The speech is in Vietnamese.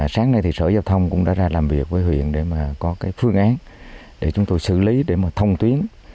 sáng nay sở giao thông cũng đã ra làm việc với huyện để có phương án để chúng tôi xử lý để thông tuyến